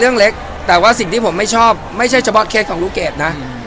เรื่องเล็กแต่ว่าสิ่งที่ผมไม่ชอบไม่ใช่เฉพาะเคสของลูกเกดนะ